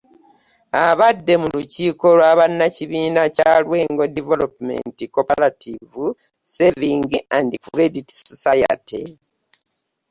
Abadde mu lukiiko lwa bannakibiina kya Lwengo Development Cooperative Saving and Credit Society